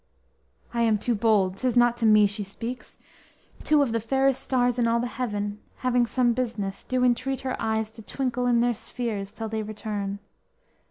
I am too bold, 'tis not to me she speaks; Two of the fairest stars in all the heaven, Having some business, do entreat her eyes To twinkle in their spheres till they return.